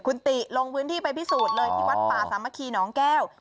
คุณติลงพื้นที่ไปพิสูจน์เลยที่วัดป่าสามัคคีหนองแก้ว